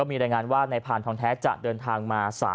มีรายงานว่านายพานทองแท้จะเดินทางมา